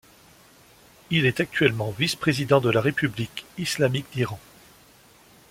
Il est actuellement vice-président de la république islamique d'Iran.